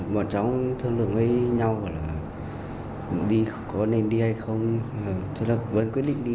một chó thân lượng với nhau đi có nên đi hay không vẫn quyết định đi